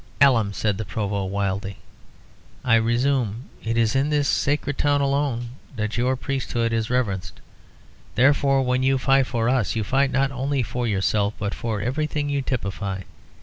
"Alum," said the Provost, wildly. "I resume. It is in this sacred town alone that your priesthood is reverenced. Therefore, when you fight for us you fight not only for yourself, but for everything you typify.